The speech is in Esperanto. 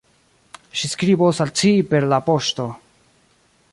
Ŝi skribos al ci per la poŝto.